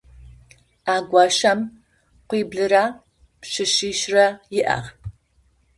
А гуащэм къуиблырэ пшъэшъищрэ иӏагъ.